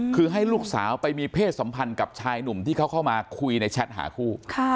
คือให้ลูกสาวไปมีเพศสัมพันธ์กับชายหนุ่มที่เขาเข้ามาคุยในแชทหาคู่